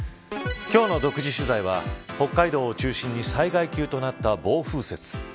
今日の独自取材は北海道を中心に災害級となった暴風雪。